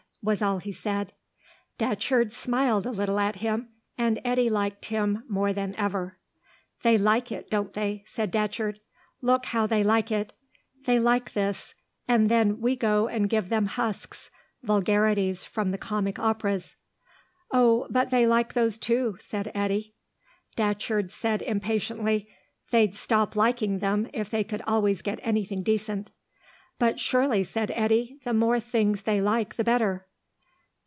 was all he said. Datcherd smiled a little at him, and Eddy liked him more than ever. "They like it, don't they?" said Datcherd. "Look how they like it. They like this; and then we go and give them husks; vulgarities from the comic operas." "Oh, but they like those, too," said Eddy. Datcherd said impatiently, "They'd stop liking them if they could always get anything decent." "But surely," said Eddy, "the more things they like the better."